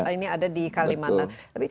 ini ada di kalimantan